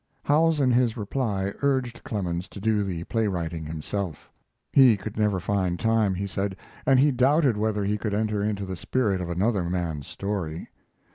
Howells in his reply urged. Clemens to do the playwriting himself. He could never find time, he said, and he doubted whether he could enter into the spirit of another man's story.